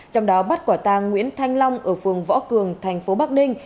trong đó bắt quả tang nguyễn thanh long ở phường võ cường thành phố bắc ninh